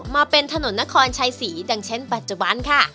มาเป็นถนนนครชัยศรีดังเช่นปัจจุบันค่ะ